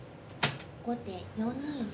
後手４二玉。